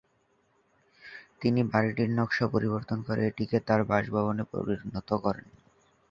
তিনি বাড়িটির নকশা পরিবর্তন করে এটিকে তার বাসভবনে পরিণত করেন।